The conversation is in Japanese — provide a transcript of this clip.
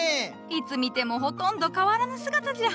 いつ見てもほとんど変わらぬ姿じゃ。